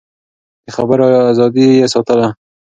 د خبرو ازادي يې ساتله.